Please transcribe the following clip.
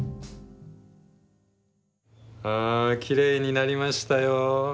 あきれいになりましたよ。